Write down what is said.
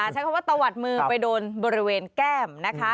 ใช้คำว่าตะวัดมือไปโดนบริเวณแก้มนะคะ